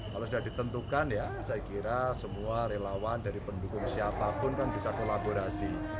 kalau sudah ditentukan ya saya kira semua relawan dari pendukung siapapun kan bisa kolaborasi